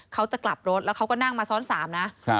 เขาจะกลับรถแล้วเขาก็นั่งมาซ้อน๓นะ